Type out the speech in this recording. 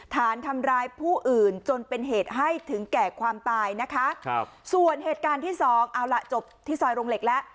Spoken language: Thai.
ฐานทำร้ายผู้อื่นจนเป็นเหตุให้ถึงแก่ความตายนะคะครับส่วนเหตุการณ์ที่สองเอาล่ะจบที่ซอยโรงเหล็กแล้ว